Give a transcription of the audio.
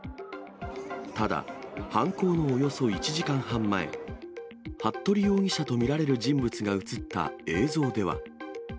ただ、犯行のおよそ１時間半前、服部容疑者と見られる人物が写った映像では。